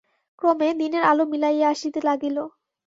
ক্রমে, দিনের আলো মিলাইয়া আসিতে লাগিল।